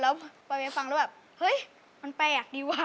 แล้วไปไปฟังแล้วแบบเฮ้ยมันแปลกดีวะ